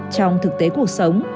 trong thực tế cuộc sống